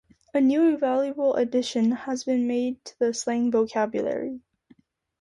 A new and valuable addition has been made to the slang vocabulary.